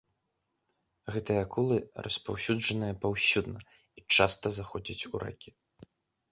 Гэтыя акулы распаўсюджаныя паўсюдна і часта заходзяць у рэкі.